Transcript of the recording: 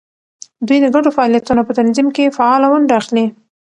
دوی د ګډو فعالیتونو په تنظیم کې فعاله ونډه اخلي.